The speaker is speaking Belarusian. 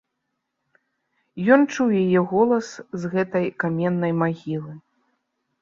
Ён чуў яе голас з гэтай каменнай магілы.